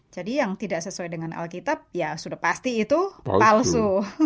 jadi yang tidak sesuai dengan alkitab ya sudah pasti itu palsu